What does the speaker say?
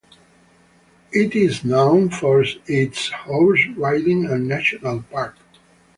It is known for its horse riding and National Park.